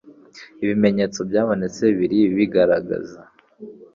Ibimenyetso byabonetse bira bigaragaza